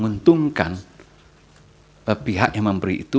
sebagai syaratnya ganti itu